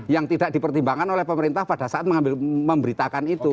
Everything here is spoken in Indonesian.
yang tidak dipertimbangkan oleh pemerintah pada saat mengambil memberitakan itu